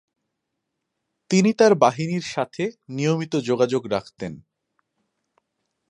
তিনি তার বাহিনীর সাথে নিয়মিত যোগাযোগ রাখতেন।